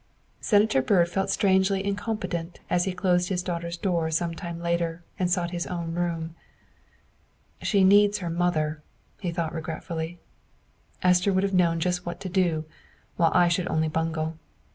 Senator Byrd felt strangely incompetent as he closed his daughter's door some time later and sought his own room. " She needs her mother," he thought regretfully. " Esther would have known just what to do, while I should only bungle.